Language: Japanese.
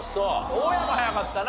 大家も早かったな。